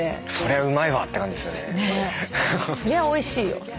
そりゃおいしいよ。